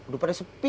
udah pada sepi